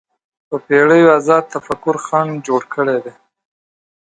په پېړیو ازاد تفکر خنډ جوړ کړی دی